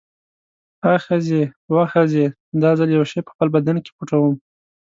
آ ښځې، واه ښځې، دا ځل یو شی په خپل بدن کې پټوم.